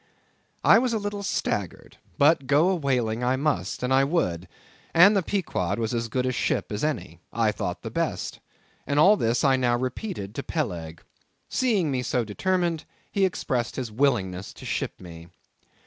I was a little staggered, but go a whaling I must, and I would; and the Pequod was as good a ship as any—I thought the best—and all this I now repeated to Peleg. Seeing me so determined, he expressed his willingness to ship me.